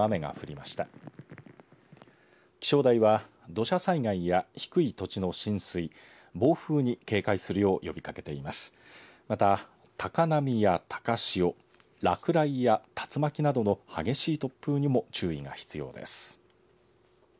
また高波や高潮落雷や竜巻などの激しい突風にも注意が必要です。